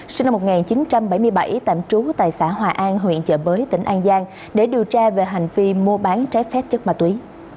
sinh năm một nghìn chín trăm bảy mươi bảy tạm trú tại xã hòa an huyện chợ mới tỉnh an giang để điều tra về hành vi mua bán trái phép chất ma túy